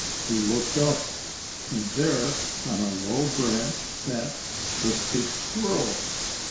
He looked up. And there on a low branch sat Frisky Squirrel.